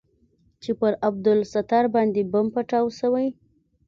چې پر عبدالستار باندې بم پټاو سوى.